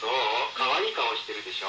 かわいい顔してるでしょ？